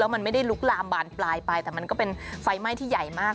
มันไม่ได้ลุกลามบานปลายไปแต่มันก็เป็นไฟไหม้ที่ใหญ่มาก